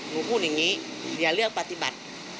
พูดอย่างนี้อย่าเลือกปฏิบัติ